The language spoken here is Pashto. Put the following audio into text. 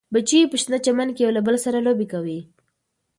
بچي یې په شنه چمن کې یو له بل سره لوبې کوي.